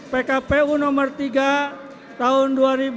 pkpu nomor tiga tahun dua ribu tujuh belas